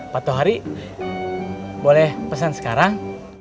pak tohari boleh pesan sekarang